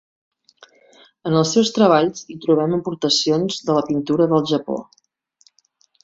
En els seus treballs hi trobem aportacions de la pintura del Japó.